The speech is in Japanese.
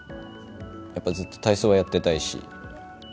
やっぱずっと体操はやってたいし。